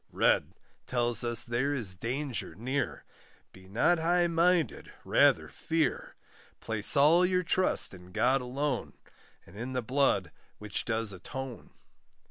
Red tells us there is danger near, Be not high minded, rather fear; Place all your trust in God alone, And in the blood which does atone.